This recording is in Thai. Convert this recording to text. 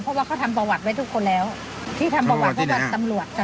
เพราะว่าเขาทำประวัติไว้ทุกคนแล้วที่ทำประวัติให้กับตำรวจค่ะ